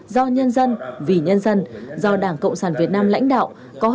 do nhân dân vì nhân dân do đảng cộng sản việt nam lãnh đạo